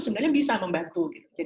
sebenarnya bisa membantu